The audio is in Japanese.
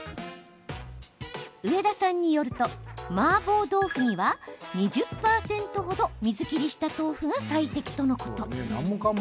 上田さんによるとマーボー豆腐には２０％ほど水切りした豆腐が最適とのこと。